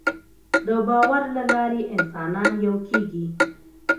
د باور له لارې انسانان یو کېږي.